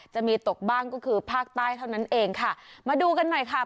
จะมีตกบ้างก็คือภาคใต้เท่านั้นเองค่ะมาดูกันหน่อยค่ะ